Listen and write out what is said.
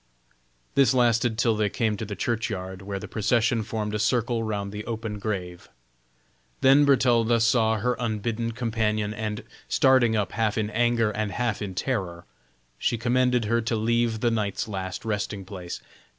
This lasted till they came to the churchyard, where the procession formed a circle round the open grave. Then Bertalda saw her unbidden companion, and starting up half in anger and half in terror, she commanded her to leave the knight's last resting place.